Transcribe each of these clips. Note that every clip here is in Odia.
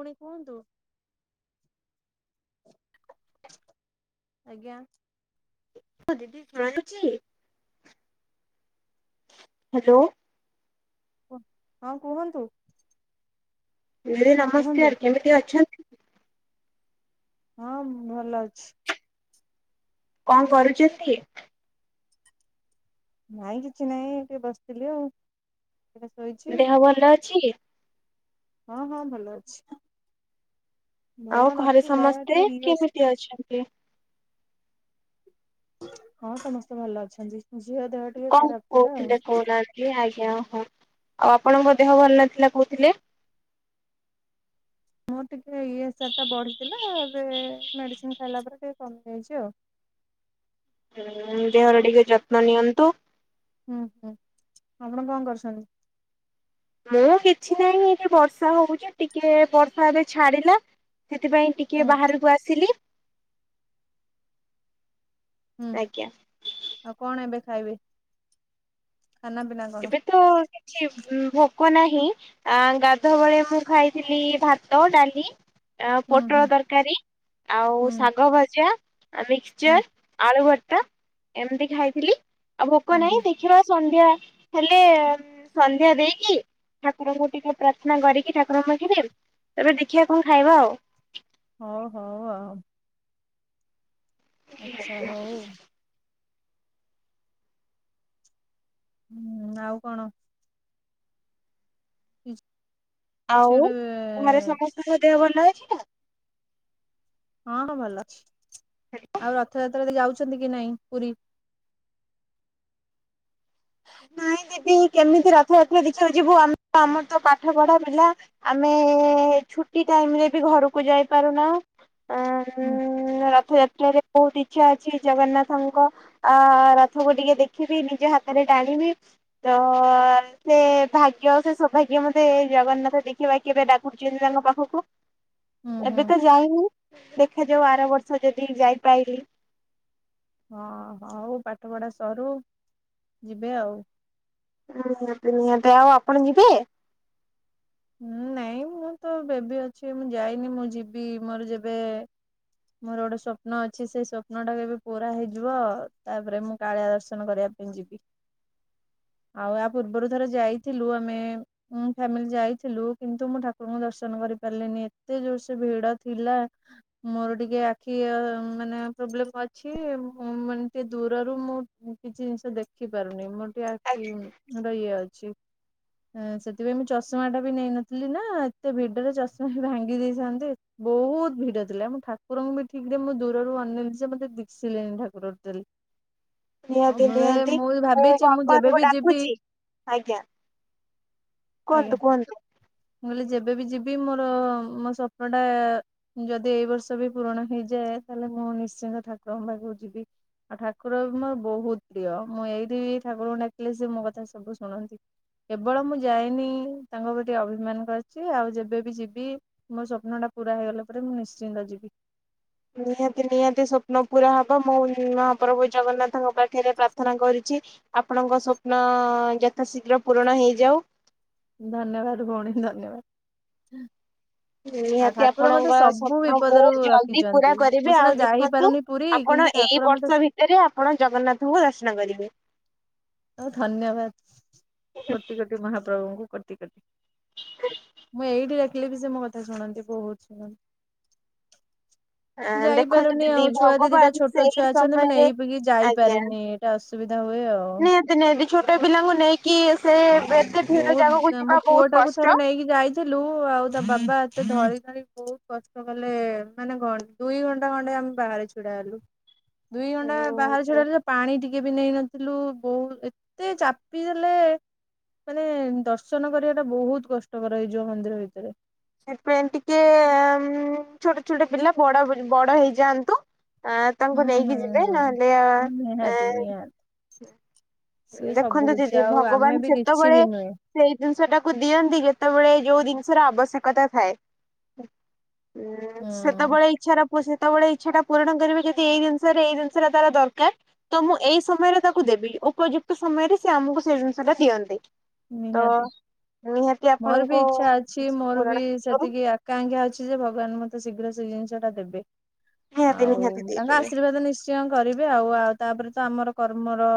ପୁଣି କୁହନ୍ତୁ? ଆଜ୍ଞା। ହଁ ଦିଦି ଶୁଣାଯାଉଛି? ହ୍ୟାଲୋ। ହଁ କୁହନ୍ତୁ? ଦିଦି କୁହନ୍ତୁ ନମସ୍କାର କେମିତି ଅଛ ହଁ ଭଲ ଅଛି। କ କରୁଛନ୍ତି? ନାଇଁ କିଛି ନାଇ ଟିକେ ବସିଥିଲି ଆଉ। ଟିକେ ଶୋଇଛି ଦେହ ଭଲ ଅଛି? ହଁ ହଁ ଭଲ ଅଛି। ଆଉ ଭଲ ଘରେ ନଥିଲା ସମସ୍ତେ ଟିକେ ଇଏ କେମିତି ଅଛନ୍ତି? ହଁ ସମସ୍ତେ ଭଲ ଅଛନ୍ତି ଝିଅ ଦେହ ଟିକେ ବି ଖରାପ ଥିଲା ଆଉ। ହେଁ ଆଜ୍ଞା ହଁ ଆଉ ଆପଣଙ୍କ ଦେହ ଭଲ ନଥିଲା କହୁଥିଲେ। ମୋର ଟିକେ ଇ ଏସ୍ ଆର୍ ଟା ବଢିଥିଲା ଏବେ ମେଡିସିନ ଖାଇଲା ପରେ ଟିକେ କମିଯାଇଛି ଆଉ। ହୁ ଦେହର ଆପଣ ଟିକେ ଯତ୍ନ ନିଅନ୍ତୁ। ହୁଁ ହୁଁ ଆପଣ କଣ କରୁସନ୍ତି? ମୁଁ କିଛି ନାହିଁ ଏଠି ବର୍ଷା ହଉଛି ଟିକେ ବର୍ଷା ଏବେ ଛାଡ଼ିଲା ସେଥିପାଇଁ ହୁଁ ଟିକେ ବାହାରକୁ ଆସିଲି। ହୁଁ ଆଜ୍ଞା ଆଉ କଣ ଏବେ ଖାଇବେ ଖାନା ପିନା କଣ? ଏବେ ତ କିଛି ଭୋକ ନାହିଁ ଆ ଗାଧୁଆ ବଳେ ମୁଁ ଖାଇଥିଲି ଭାତ ଡାଲି ଆ ହୁଁ ପୋଟଳ ହୁଁ ତରକାରୀ ଆଉ ହୁଁ ଶାଗ ଭଜା। ଆ ହୁଁ ମିକ୍ସଚର ଆଳୁ ଭର୍ତା ଏମିତି ଖାଇଥିଲି ଆଉ ହୁଁ ଭୋକ ହୁଁ ନାଇ ଦେ ଖୀିବା ସନ୍ଧ୍ୟା। ହେଲେ ସନ୍ଧ୍ୟାଦେଇକି ଠାକୁରଙ୍କୁ ଟିକିଏ ପ୍ରାର୍ଥନା କରିକି ଠାକୁରଙ୍କ ପାଖରେ ଏବେ ଦେଖିଆ କଣ ଖାଇବା ଆଉ। ହଉ ହଉ ଆଉ। ଆଚ୍ଛା ହଉ। ଉୁଁ ଆଉ କଣ? [unintelligible] ଆଉ ଗୋଟେ ଘରେ ସମସ୍ତଙ୍କ ଦେହ ଭଲ ଅଛିନା। ହଁ ହଁ ଭଲଅଛି ଆଉ ରଥଯାତ୍ରା ଦେଖି ଯାଉଛନ୍ତିକି ନାଇଁ ପୁରୀ। ନାଇଁ ଦିଦି କେମିତି ରଥଯାତ୍ରା ଦେଖିବାକୁ ଯିବୁ ଆମ ଆମରତ ପାଠପଢା ପିଲା। ଆମେ ଛୁଟି ଟାଇମରେବି ଘରକୁ ଯାଇପାରୁ ନାହୁଁ ଆଁ ଉୁଁ ଉୁଁ। ହୁଁ ଉୁଁ ରଥଯାତ୍ରାରେ ବହୁତ ଇଛା ଅଛି ଜଗନ୍ନାଥଙ୍କ ଅ ଅ ରଥକୁ ଟିକିଏ ଦେଖିବି ନିଜ ହାତରେ ଟାଣିବି ତ ଅଁ। ସେଭାଗ୍ୟ ସେସୌଭାଗ୍ୟ ମତେ ଜଗନ୍ନାଥ ଦେଖିବା କେବେ ଡାକୁୁଛନ୍ତି ତାଙ୍କ ପାଖକୁ। ହୁଁ ହୁଁ ଏବେତ ଯାଇନି ଦେଖାଯାଉ ଆରବର୍ଷ ଯଦି ଯାଇପାଇଲିି। ହଁ ହଉ ପାଠପଢା ସରୁ ଯିବେ ଆଉ। [unintelligible] ନିହାତି ନିହାତି ଆଉ ଆପଣ ଯିବେ? ଉୁଁ ନାଇଁ ମୁଁତ ବେବି ଅଛି ମୁଁ ଯାଇନି ମୁଁ ଯିବି ମୋର ଯେବେ ମୋର ଗୋଟେ ସପ୍ନଅଛି ସେଇ ସ୍ଵପ୍ନଟା କେବେ ପୁରା ହେଇଯିବ ତାପରେ ମୁଁ। କାଳିଆ ଦର୍ଶନ କରିବା ପାଇଁ ମୁଁ ଯିବି। [inaudible] ଆଉ ଏହା ପୂର୍ବରୁ ଥରେ ଯାଇଥିଲୁ ଆମେ ମୁଁ ଫାମିଲି ଯାଇ ଥିଲୁ କିନ୍ତୁ ମୁଁ ଠାକୁରଙ୍କୁ ଦର୍ଶନ କରି ପାରିଲିନି ଏତେ ଜୋରସେ ଭିଡଥିଲା। ମୋର ଟିକିଏ ଆଖି ଆଁ ମାନେ ପ୍ରୋବ୍ଲେମ ଅଛି ମାନେ ଟିକିଏ ଦୂରରୁ ମୁଁ ମୁଁ କିଛି ଜିନିଷ ଦେଖିଊପାରୁନି ମୋର ଟିକିଏ ଆଖି ଇଉ ହେଟା ଇଏ ଅଛି ଏଁ ସେଥିପାଇଁ ମୁଁ ଚଷମାଟା ବି ନେଇନଥିଲିନା ଏତେ ଭିଡରେ ଚଷମାବି ଭାଙ୍ଗି ଦେଇଥାନ୍ତେ। ବହୁତ ଭିଡଥିଲା ମୁଁ ଠାକୁରଙ୍କୁବି ଠିକରେ ମୁଁ ଦୂରରୁ ଅନେଇଲିଯେ ମତେ ଦିଶିଲେନି ଠାକୁର ଟୋଟାଲି। [inaudible] ଆଉ ନିଅତି ନିଅତି ମୁଁ ଭାବିଛି ବାପାଙ୍କୁ ଯେବେବି ଯିବି ଡାକୁଛି ଆଜ୍ଞା। ଆଜ୍ଞା। କୁହନ୍ତୁ କୁହନ୍ତୁ। ମୁଁ କହିଲି ଯେବେବିଯିବି ମୋର ମୋ ସ୍ୱପ୍ନଟା ଯଦି ଏଇବର୍ଷବି ପୂରଣ ହେଇଯାଏ ତାହେଲେ ମୁଁ ନିଶ୍ଚିନ୍ତ ଠାକୁରଙ୍କ ପାଖକୁ ଯିବି। ଆଉ ଠାକୁର ମୋର ବହୁତ ପ୍ରିୟ ମୁଁ ଏଇଠି ଠାକୁରଙ୍କୁ ଡାକିଲେ ସେ ମୋକଥା ସବୁ ଶୁଣନ୍ତି। କେବଳ ମୁଁ ଯାଇନି ତାଙ୍କକତ ଟିକିଏ ଅଭିମାନ କରିଛି ଆଉ ଯେବେବି ଯିବି ମୋ ସପ୍ନଟା ପୁରା ହେଇଗଲା ପରେ ମୁଁ ନିଶ୍ଚିନ୍ତ ଯିବି। ନିହାତି ନିହାତି ସ୍ୱପ୍ନ ପୁରାହବ ମୁଁ ମହାପ୍ରଭୁ ଜଗନ୍ନାଥଙ୍କ ପାଖରେ ପ୍ରାର୍ଥନା କରିଛି। ଆପଣଙ୍କ ସ୍ୱପ୍ନ ଯଥାଶୀଘ୍ର ପୂରଣ ହେଇଯାଉ। ଧନ୍ୟବାଦ ଭଉଣୀ ଧନ୍ୟବାଦ। ଆଉ ନିହାତି ଠାକୁର ଆପଣଙ୍କ ମତେ ସବୁ ସ୍ୱପ୍ନ ବହୁତ ବିପଦରୁ ଜଲଦି ପୁରା ରଖିଛନ୍ତି କରିବେ ମୁଁ ଆଉ ସିନା ଯାଇ ପାରୁନି ପୁରୀ କିନ୍ତୁ ଠାକୁର ମତେ ସେ ଫେରେ ଆପଣ ଜଗନ୍ନାଥଙ୍କୁ ଦର୍ଶନ କରିବେ। ଆଉ ଧନ୍ୟବାଦ କୋଟି କୋଟି ମହାପ୍ରଭୁଙ୍କୁ କୋଟି କୋଟି। ମୁଁ ଏଇଠି ଡାକିଲିବି ସେ ମୋକଥା ଶୁଣନ୍ତି ବହୁତ ଶୁଣନ୍ତି। ଅ ଦେଖନ୍ତୁ ଯାଇପାରୁନି ଦିଦି ଆଉ ଛୁଆ ଦିଇ ଦିଟା ଭଗବାନ ଛୋଟ ସେଇ ଛୁଆ ଅଛନ୍ତି ମାନେ ସମୟରେ ନେଇକି ଆଜ୍ଞା ଯାଇପାରେନି। ଏଇଟା ଅସୁବିଧା ହୁଏ ଆଉ। ନିହାତି ନିହାତି, ଛୋଟ ପିଲାଙ୍କୁ ନେଇକି ସେ ବେ ବହୁତ ମୋ ପୁଅଟାକୁ ଥରେ ନେଇକି ଯାଇ ଥିଲୁ, ଆଉ ତା ବାବା ଏତେ ଧଳି ଧଳି ବହୁତ କଷ୍ଟ କଲେ ମାନେ କଣ ଦୁଇ ଘଣ୍ଟା ଖଣ୍ଡେ ଆମେ ବାହାରେ ଛିଡା ହେଲୁ। ଦୁଇ ଘଣ୍ଟା ହୁଁ ବାହାରେ ଛିଡା ହେଲୁ ଯେ ପାଣି ଟିକେ ଟିକେ ବି ନେଇନଥିଲୁ, ବହୁତ ଏତେ ଚାପି ଦେଲେ ମାନେ ଦର୍ଶନ କରିବାଟା ବହୁତ କଷ୍ଟକର ହେଇଯିବ ମନ୍ଦିର ଭିତରେ। ସେଇଥିପାଇଁ ଟିକେ ଉମ୍ ଛୋଟ ଛୋଟ ପିଲା ବଡ ବଡ ହେଇଯାଆନ୍ତୁ ଆ ତାଙ୍କୁ ହୁଁ ନେଇକି ହୁଁ ଯିବେ, ହୁଁ ନହେଲେ ଆ ହଁ ଏ ନିହାତି ନିହାତି। ସିଏ ସବୁ ଦେଖନ୍ତୁ କିଛି ଦିଦି, ଆଉ ଆମେ ଭଗବାନ ବି କିଛି ସେତବଳେ ବି ନୁହେଁ ସେଇ ଜିନିଷଟାକୁ ଦିଅନ୍ତି, ଯେତେବେଳେ ଯୋଉ ଜିନିଷର ଆବଶ୍ୟକତା ଥାଏ। ଉମ୍ ସେତବଳେ ଇଚ୍ଛାର ମୁଁ ସେତବଳେ ଇଚ୍ଛାଟା ପୂରଣ କରିବି ଯଦି ଏଇ ଜିନିଷରେ ଏଇ ଜିନିଷଟା ତାର ଦରକାର ତ ମୁଁ ଏଇ ସମୟରେ ତାକୁ ଦେବି, ଉପଯୁକ୍ତ ସମୟରେ ସେ ଆମକୁ ସେ ଜିନିଷଟା ଦିଅନ୍ତି। ତ ନିହାତି। ନିହାତି ମୋର ବି ଆପଣଙ୍କୁ ଇଚ୍ଛା ଅଛି, ମୋର ପୂରଣ ବି ସେତିକି କି ଆକାଂକ୍ଷା ଅଛି ଯେ, ଭଗବାନ ମତେ ଶୀଘ୍ର ସେଇ ଜିନିଷଟା ଦେବେ। ନିହାତି ଆଉ ନିହାତି ତାଙ୍କ ଦେଇଦେବେ। ଆଶୀର୍ବାଦ ନିଶ୍ଚି ଶ୍ଚୟ କରିବେ ଆଉ। ଆଉ ତାପରେ ତ ଆମର କର୍ମର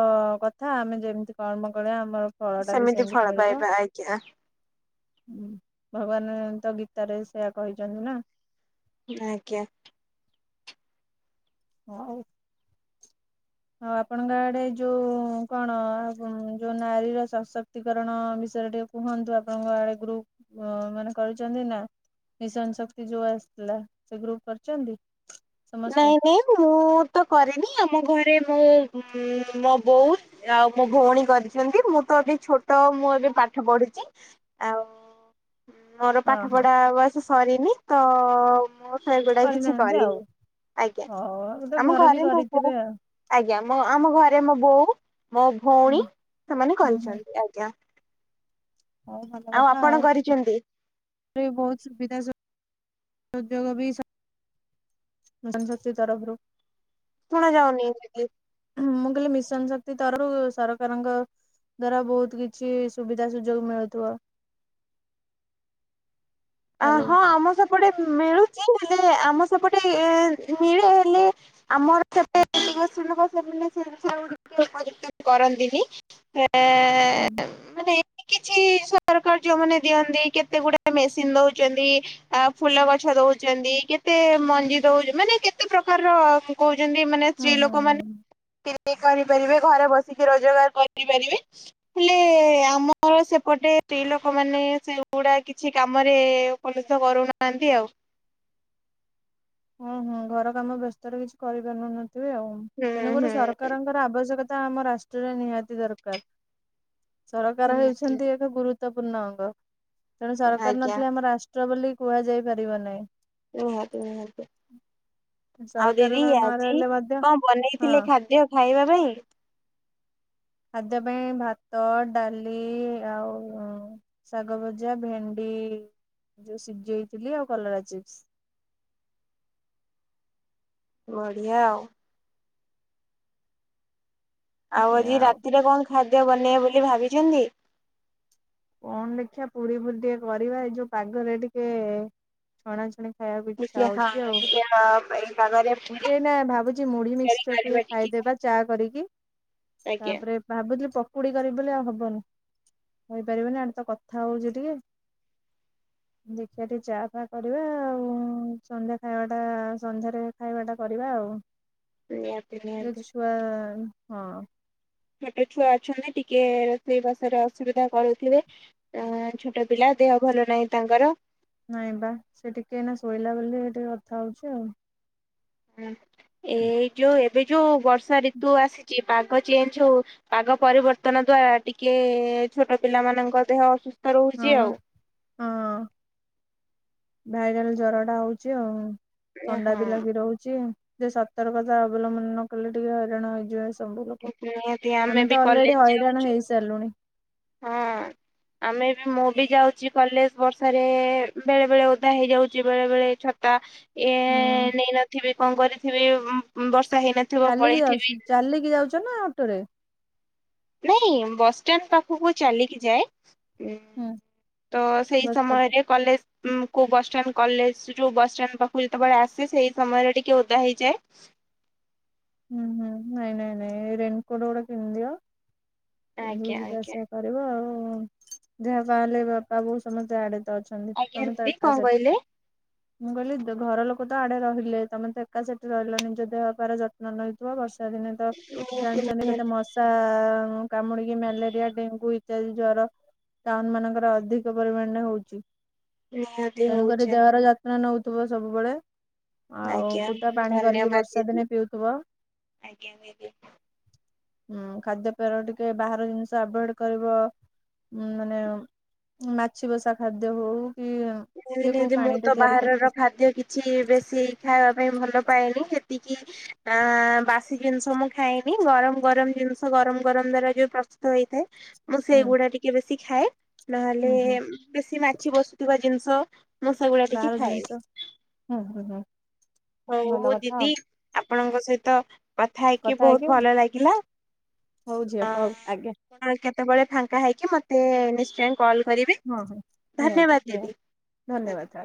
କଥା, ଆମେ ଯେମିତି କର୍ମ କରିବା ଆମର ଫଳ ଟା ବି ସେମିତି ଫଳ ପାଇବା, ଆଜ୍ଞା। ହୁଁ। ଭଗବାନ ତ ଗୀତାରେ ସେୟା କହିଛନ୍ତି ନା। ଆଜ୍ଞା। ହଉ ଆଉ ଆପଣଙ୍କ ଆଡେ ଯୋଉ କଣ ଆଉ କଣ ଯୋଉ ନାରୀର ସଶକ୍ତି ଶକ୍ତିକରଣ ବିଷୟରେ ଟିକେ କୁହନ୍ତୁ। ଆପଣଙ୍କ ଆଡେ ଗ୍ରୁପ ମାନେ କରିଚନ୍ତି ନା? ମିଶନ ଶକ୍ତି ଯୋଉ ଆସିଥିଲା, ସେ ଗ୍ରୁପ କରିଚନ୍ତି? ନାଇଁ ନାଇଁ, ମୁଁ ତ କରିନି, ଆମ ଘରେ ମୁଁ ଉମ୍ ମୋ ବୋଉ ଆଉ ମୋ ଭଉଣୀ କରିଛନ୍ତି। ମୁଁ ତ ଏବେ ଛୋଟ, ମୁଁ ଏବେ ପାଠ ପଢୁଛି ଆଉ ମୋର ହଁ ପାଠ ହଁ ପଢା ବୟସ ସରିନି, ତ ମୁଁ ସେଗୁଡାକ କିଛି କରିନାହାନ୍ତି ଆଉ କରିନି। ଆଜ୍ଞା। ହଉ ଗୋଟେ ଆମ ବି ଘରେ ମୋ ବୋଉ କରିଥିବେ ଆଉ ଆଜ୍ଞା। ମୋ ଆମ ଘରେ ମୋ ବୋଉ, ମୋ ଭଉଣୀ, ହୁଁ ସେମାନେ ହୁଁ ହୁଁ କରିଛନ୍ତି। ଆଜ୍ଞା। ହଉ ଆଉ ଆପଣ କରିଚନ୍ତି? ଏବେ ବି ବହୁତ ସୁବିଧା ସୁ ସୁଯୋଗ ବି ସ ମିଶନ ଶକ୍ତି ତରଫରୁ ଶୁଣା ଯାଉନି ଦିଦି। ମୁଁ କହିଲି ମିଶନ ଶକ୍ତି ତରୁ ସରକାରଙ୍କ ଦ୍ଵାରା ବହୁତ କିଛି ସୁବିଧା ସୁଯୋଗ ମିଳୁଥିବ? ଆ ହାଲୋ ହଁ ଆମ ସେପଟେ ମି-ମିଳୁଚି, ହେଲେ ଆମ ସେପଟେ ଏ ମିଳେ ହେଲେ ଆମର ସେପଟେ ଲୋକ ସେମାନେ [unintelligible] କରନ୍ତିନି ହେ ହୁଁ ମାନେ ଏମତି କିଛି ସରକାର ଯୋଉମାନେ ଦିଅନ୍ତି କେତେ ଗୁଡାଏ ମେସି ସିନ୍ ଦଉଚନ୍ତି ଆ ଫୁଲ ଗଛ ଦଉଚନ୍ତି, କେତେ ମଞ୍ଜି ଦଉ ମାନେ କେତେ ପ୍ରକାରର କହୁଛନ୍ତି ମାନେ ହୁଁ ସ୍ତ୍ରୀ ହୁଁ ହୁଁ ଲୋକମାନେ ସିଲେଇ କରିପାରିବେ, ଘରେ ବସିକି ରୋଜଗାର କରିପାରିବେ ହେଲେ ଆମର ସେପଟେ ସ୍ତ୍ରୀ ଲୋକମାନେ ସେଗୁଡା କିଛି କାମରେ ଉପନୀତ କରୁନାହାନ୍ତି ଆଉ। ହୁଁ ହୁଁ ଘର କାମ ବ୍ୟସ୍ତରେ କିଛି କରିପାରୁନନୁଥିବେ ଆଉ ହୁଁ ତେଣୁକ ହୁଁ ସର କାରଙ୍କର ଆବଶ୍ୟକତା ଆମ ରାଷ୍ଟ୍ରରେ ନିହାତି ଦରକାର। ନିହାତି ସରକାର ନିହାତି, ହେଉଛନ୍ତି ଏକ ଗୁରୁତ୍ୱପୂର୍ଣ୍ଣ ଅଙ୍ଗ ତେଣୁ ସରକାର ଆଜ୍ଞା ନଥିଲେ ଆମ ରା ଷ୍ଟ୍ର ବୋଲି କୁହାଯାଇ ପାରିବ ନାହିଁ। ନିହାତି ନିହାତି। ଆଉ ସରକାର ଦିଦି ନ ଆଜି ରହିଲେ ମଧ୍ୟ କଁ ହଁ ବନେଇଥିଲେ ଖାଦ୍ୟ ଖାଇବା ପାଇଁ। ଖାଦ୍ୟ ପାଇଁ ଭାତ ଡାଲି ଆଉ ଶାଗ ଭଜା ଭେଣ୍ଡି ଯୋଉ ସିଜେଇଥିଲି ଆଉ କଲରା ଚିପ୍ସ। ବଢିଆ ଆଉ। ଆଉ ଆଜି ରାତିରେ କଣ ଖାଦ୍ୟ ବନେଇବେ ବୋଲି ଭାବିଚନ୍ତି? କଣ ଦେଖିଆ ପୁରୀ ଫୁରି ଟିକେ କରିବା ଏଇ ଯୋଉ ପାଗରେ ଟିକେ ଛଣାଛୁଣି। ଖାଇବାକୁ ଟିକେ ଇଚ୍ଛା ହଁ ହୋଉଚି ଆଉ। [unintelligible] ଏଇନା ଭାବୁଚି ମୁଢି ତରକାରୀ ମିକ୍ସର କରିବା ଟିକେ ଖାଇଦେବା ଚା କରିକି ଆଜ୍ଞା ତାପରେ ଭାବୁଥିଲି ପକୁଡି କରିବି ବୋଲି ଆଉ ହବନି। ହେଇପାରିବନି ଆମେ ତ କଥା ହୋଉଚୁ ଟିକେ। ଦେଖିଆ ଟିକେ ଚା ଫା କରିବା ଆଉ ସନ୍ଧ୍ୟା ଖାଇବା ଟା ସନ୍ଧ୍ୟାରେ ଖାଇବାଟା କରିବା ଆଉ ନିହାତି ଏ ନିହାତି ଛୁଆ ହଁ। ଛୋଟ ଛୁଆ ଅଛନ୍ତି ଟିକିଏରୋସେଇ ବାଷରେ ଅସୁବିଧା କରୁଥିବେ। ଏଁ ଛୋଟ ପିଲା ଦେହ ଭଲ ନାହିଁ ତାଙ୍କର। ନାଇଁ ବା ସେ ଟିକେ ଏଇନା ଶୋଇଲା ବୋଲି ଟିକେ କଥା ହୋଉଚି ଆଉ। ହଁ ଏଇ ଯୋଉ ଏବେ ଯୋଉ ବର୍ଷା ଋତୁ ଆସିଚି ପାଗ ଚେଞ୍ଜ ହୋଉ ପାଗ ପରିବର୍ତ୍ତନ ଦ୍ଵାରା ଟିକେ ଛୋଟ ପିଲାମାନଙ୍କ ଦେହ ଅସୁସ୍ଥ ହଁ ରହୁଛି ପା ଆଉ। ହଁ ଭାଇରାଲ ଜର ଟା ହୋଉଚି ଆଉ। ଥଣ୍ଡା ହଁ ବି ଲାଗି ରୋହୁଚି ଯେ ସତର୍କତା ଅବଲମ୍ବନ ନ କଲେ ଟିକେ ହଇରାଣ ହେଇଯିବ ସବୁ ଲୋକୋ ନିହାତି ଆମେ ବି ତ କଲେଜ ଅଲରେଡି ହଇରାଣ ଯାଉଛୁ ହେଇସାରିଲୁଣି। ହଁ ଆମେ ବି ମୁଁ ବି ଯାଉଚି କଲେଜ ବର୍ଷାରେ ବେଳେ ବେଳେ ଓଦା ହେଇଯାଉଚି ବେଳେ ବେଳେ ଛ ତା ଏ ହୁଁ ନେଇନଥିବି କଣ କରିଥିବି ବର୍ଷା ହେଇନେ ଚାଲିକି ଯାଉଚୁ ଚାଲିକି ଯାଉଚୁ ନା ଅଟୋରେ? ନାଇଁ ବସଷ୍ଠାଣ୍ଡ ପାଖୁକୁ ଚାଲିକି ଯାଏ। [unintelligible] ହୁଁ ତ ସେଇ ବସ୍ ଷ୍ଟପ୍ ସମୟରେ କଲେଜ ମୁଁ କୋ ବସଷ୍ଟାଣ୍ଡ କଲେଜ ଯୋଉ ବସଷ୍ଟାଣ୍ଡ ପାଖକୁ ଯେତବେଳେ ଆସେ ସେଇ ସମୟରେ ଟିକେ ଓଦା ହେଇଯାଏ। ହୁଁ ହୁଁ ନାଇଁ ନାଇଁ ନାଇଁ ରେନକୋଟ ଗୋଟେ ପିନ୍ଧିଦିଅ ପିନ୍ଧିକି ଆଜ୍ଞା ଆଜ୍ଞା। ଯିବାଆସିବା କରିବ ଆଉ ଯାହା ବାହାରେ ବାପା ବୋଉ ସମସ୍ତେ ଆଡେତ ଅଛନ୍ତି। ଖାଲି ଆଜ୍ଞା ଦିଦି ତମେତଏକା କଣ ସେଠି। କହିଲେ? ମୁଁ କଇଲି ଘର ଲୋକ ତ ଆଡେ ରହିଲେ ତମେ ତ ଏକା ସେଠି ରହିଲ ନିଜ ଦେହପାର ଯନ୍ନ [unintelligible] ବର୍ଷା ଦିନେ ତ ନିହାତି ଜାଣିଚନିତ କେ ନିହାତି। ମଶା କାମୁଡିକି ମ୍ୟାଲେରିଆ ଡେଙ୍ଗୁ ଇତ୍ୟାଦି ଜର ଟାଉନ ମାନଙ୍କରେ ଅଧିକ ପରିମାଣରେ ହୋଉଚି। ନିହାତି ତେଣୁକରି ହଉଛେ ଦେହର ଯନ୍ନ ନୋଉଥିବ ସବୁବେଳେ। ଆଉ ଆଜ୍ଞା ଫୁଟା ପାଣି କରିକି ଧନ୍ୟବାଦ ବର୍ଷା ଦିଦି ଦିନେ ପିଉ ଆଜ୍ଞା ଦିଦି। ହୁଁ ଖାଦ୍ୟ ପେୟର ଟିକେ ବାହାର ଜିନିଷ ଆଭୋଏଡ କରିବ। ଉ ମାନେ ମାଛି ବସା ଖାଦ୍ୟ ହଉ କି? କିଏ କୋଉ ଏ ମୁଁ ପାଣିରେ ତ ତିଆରି ବାହାରର କରୁଥିବ ଖାଦ୍ୟ କିଛି ବେଶୀ ଖାଇବା ପାଇଁ ଭଲ ପାଏନି ଏତିକି। ଆ ବାସି ଜିନିଷ ମୁଁ ଖାଇନି ଗରମ ଗରମ ଜିନିଷ ଗରମ ଗରମ ଦ୍ଵାରା ଯୋଉ ପ୍ରସ୍ତୁତ ହେଇଥାଏ। ମୁଁ ହୁଁ ସେଇଗୁଡା ଟିକେ ବେଶୀ ଖାଏ ନହେଲେ ହୁଁ ହୁଁ ବେଶୀ ମାଛି ବସୁଥିବା ଜିନିଷ। ମୁଁ ସେଗୁଡା ଟିକେ ବାର ଖାଏନି ଜିନଷ ହୁଁ ହୁଁ ହୁଁ ହଉ ମୋ ଭଲ କଥା ଦିଦି ଆଉ ଆପଣଙ୍କ ସହିତ କଥା ହେଇକି ବହୁତ ଭଲ ଲାଗିଲା। ହଉ ଝିଅ ହଉ ଆଜ୍ଞା କେତେବେଳେ ଫାଙ୍କା ହେଇକି ମତେ ନିଶ୍ଚୟ। କଲ୍ କରିବେ ହଁ ହଁ ନିହାତି ଧନ୍ୟବାଦ ନିହାତି ଦିଦି। ଧନ୍ୟବାଦ